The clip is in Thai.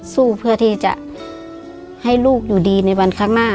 สู้เพื่อที่จะให้ลูกอยู่ดีในวันข้างหน้า